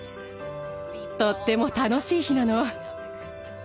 とっても楽しい日なの。